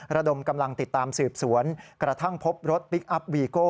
ระดมกำลังติดตามสืบสวนกระทั่งพบรถพลิกอัพวีโก้